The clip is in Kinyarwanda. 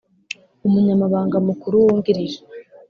Umunyamabanga mukuru wungirije